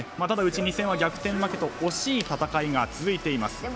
ただ、うち２戦は逆転負けと惜しい戦いが続いています。